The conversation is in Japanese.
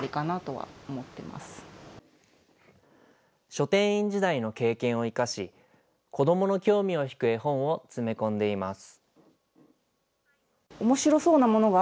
書店員時代の経験を生かし、子どもの興味を引く絵本を詰め込んでいます。